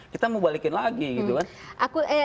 kita mau balikin lagi gitu kan